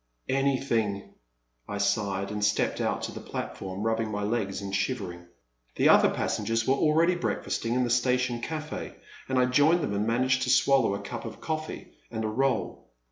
'' Anything, *' I sighed, and stepped out to the platform, rubbing my legs and shivering. The other passengers were already breakfasting in the station caf<£, and I joined them and managed to swallow a cup of coffee and a roll.